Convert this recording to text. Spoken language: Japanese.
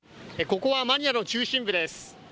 ここはマニラの中心部です。